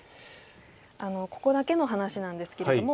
ここだけの話なんですけれども。